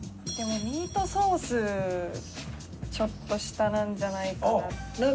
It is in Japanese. ミートソースちょっと下なんじゃないかな。